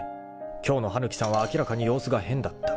［今日の羽貫さんは明らかに様子が変だった］